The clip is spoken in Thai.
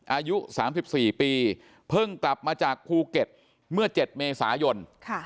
อายุ๓๔ปีเพิ่งกลับมาจากภูเก็ตเมื่อ๗เมษายน